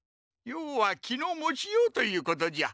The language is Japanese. ようは気の持ちようということじゃ。